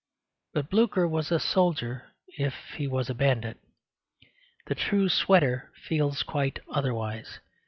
But Blücher was a soldier if he was a bandit. The true sweater feels quite otherwise.